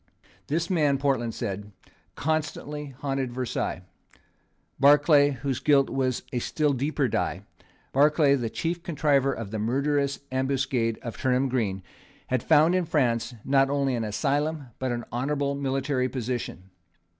This man, Portland said, constantly haunted Versailles. Barclay, whose guilt was of a still deeper dye, Barclay, the chief contriver of the murderous ambuscade of Turnham Green, had found in France, not only an asylum, but an honourable military position.